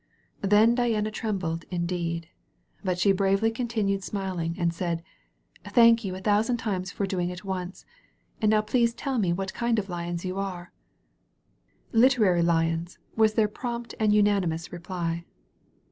•'Then Diana trembled, indeed. But she bravely continued smiling, and said: "Thank you a thou sand times for doing it once ! And now please tell me what kind of Lions you are," "Literary Lions," was their prompt and unan injotis reply.